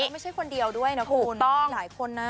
แล้วไม่ใช่คนเดียวด้วยนะคุณหลายคนนะ